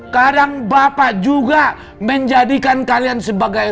kadang bapak juga menjadikan kalian sebagai